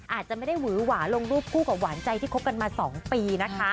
อาจจะไม่ได้หวือหวาลงรูปคู่กับหวานใจที่คบกันมา๒ปีนะคะ